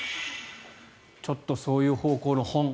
ちょっとそういう方向の本。